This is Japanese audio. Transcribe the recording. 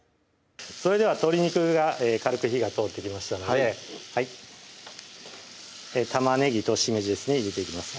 それでは鶏肉が軽く火が通ってきましたので玉ねぎとしめじですね入れていきます